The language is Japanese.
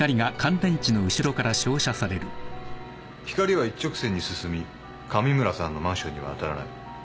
光は一直線に進み上村さんのマンションには当たらない。